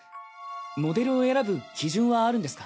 モデルを選ぶ基準はあるんですか？